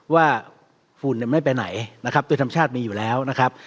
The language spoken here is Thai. ฝุ่นไม่ไปไหนนะครับโดยธรรมชาติมีอยู่แล้วนะครับ